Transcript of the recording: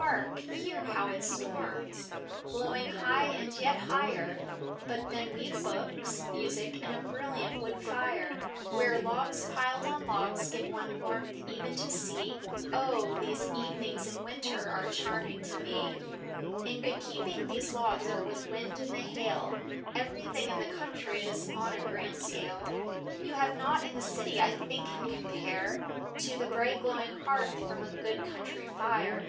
Hark, hear how it storms! blowing high and yet higher; But then we've books, music, and a brilliant wood fire, Where logs piled on logs give one warmth e'en to see; Oh! these evenings in winter are charming to me. In good keeping these logs are with wind and the hail, Everything in the country is on a grand scale. You have nought in the city I think can compare, To the bright glowing hearth from a good country fire.